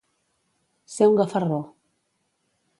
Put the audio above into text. Ser un gafarró.